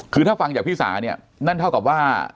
คือถ้าฟังจากพี่สาเนี่ยนั่นเท่ากับว่า